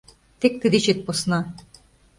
Тек тый дечет посна.